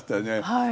はい。